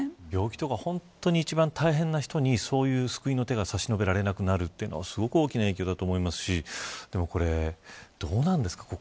病気とか、一番大変な人にそういう救いの手が差し伸べられなくなるのはすごく大きな影響だと思いますしでもどうなんですか